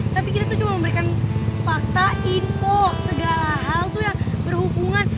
tapi kita tuh cuma memberikan fakta info segala hal itu yang berhubungan